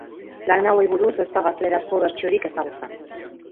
Lan hauei buruz ez da gaztelerazko bertsiorik ezagutzen.